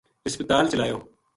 ہسپتال چلایو